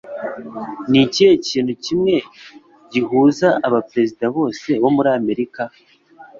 Ni ikihe kintu kimwe gihuza abaperezida bose bo muri Amerika?